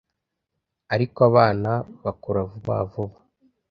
ariko abana bakura vuba vuba